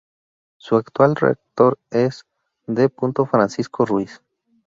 Su actual Rector es D. Francisco Ruiz.